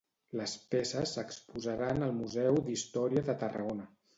Les peces s'exposaran al Museu d'Història de Tarragona.